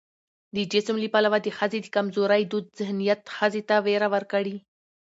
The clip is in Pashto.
د جسم له پلوه د ښځې د کمزورۍ دود ذهنيت ښځې ته ويره ورکړې